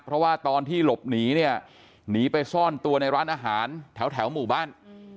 เพราะว่าตอนที่หลบหนีเนี่ยหนีไปซ่อนตัวในร้านอาหารแถวหมู่บ้าน